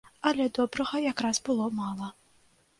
Але добрага якраз было мала.